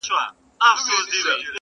خیالي ځوانان راباندي مري خونکاره سومه-